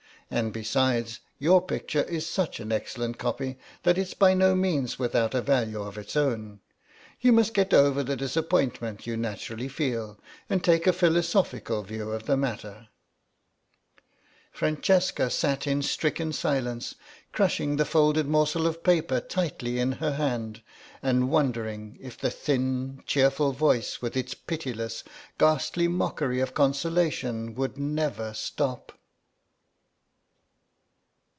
And besides, your picture is such an excellent copy that it's by no means without a value of its own. You must get over the disappointment you naturally feel, and take a philosophical view of the matter. .." Francesca sat in stricken silence, crushing the folded morsel of paper tightly in her hand and wondering if the thin, cheerful voice with its pitiless, ghastly mockery of consolation would never stop.